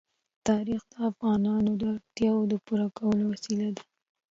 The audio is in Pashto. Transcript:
تاریخ د افغانانو د اړتیاوو د پوره کولو وسیله ده.